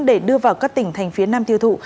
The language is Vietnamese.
để đưa vào các tỉnh thành phía nam tiêu thụ